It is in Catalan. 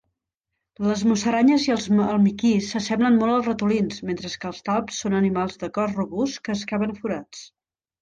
Les musaranyes i els almiquís s'assemblen molt als ratolins, mentre que els talps són animals de cos robust que excaven forats.